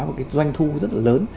và doanh thu rất là lớn